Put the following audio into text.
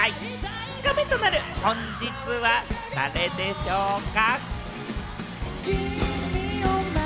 ２日目となる本日は誰でしょうか？